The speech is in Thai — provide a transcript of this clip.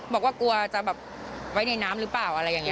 บอกว่ากลัวจะแบบไว้ในน้ำหรือเปล่าอะไรอย่างนี้